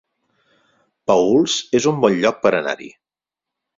Paüls es un bon lloc per anar-hi